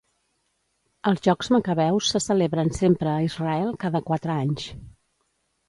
Els Jocs Macabeus se celebren sempre a Israel cada quatre anys.